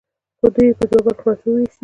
خو دوی یې په دوو برخو راته ویشي.